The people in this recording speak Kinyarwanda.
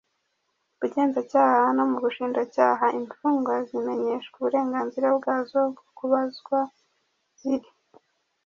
bugenzacyaha no mu bushinjacyaha imfungwa zimenyeshwa uburenganzira bwazo bwo kubazwa ziri